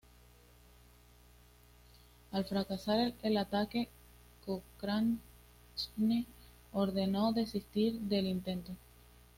Al fracasar el ataque Cochrane ordenó desistir del intento.